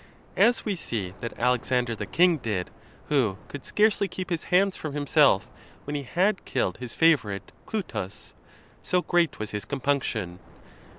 as we see that Alexander the king did, who could scarcely keep his hands from himself, when he had killed his favorite Cly tus, so great was his compunction.